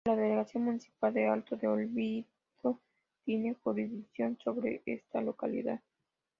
La delegación municipal de Alto del Olvido tiene jurisdicción sobre esta localidad.